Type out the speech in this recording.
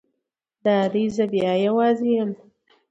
دا دی زه بیا یوازې یم.